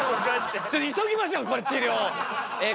ちょっと急ぎましょうこれ治りょう。